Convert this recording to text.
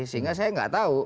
sehingga saya tidak tahu